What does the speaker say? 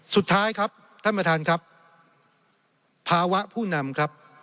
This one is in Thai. สุดท้ายครับท่านประธานครับภาวะผู้นำครับ